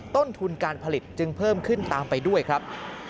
ต้นทุนการผลิตจึงเพิ่มขึ้นตามไปด้วยครับ